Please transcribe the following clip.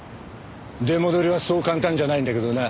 出戻りはそう簡単じゃないんだけどな。